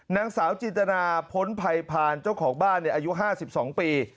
นางสาวจินตนาพ้นภัยผ่านเจ้าของบ้านอายุ๕๒ปี